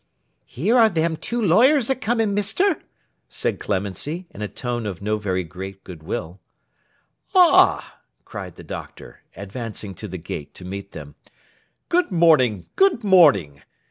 'Here are them two lawyers a coming, Mister!' said Clemency, in a tone of no very great good will. 'Ah!' cried the Doctor, advancing to the gate to meet them. 'Good morning, good morning!